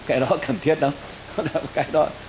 cái đó cần thiết đó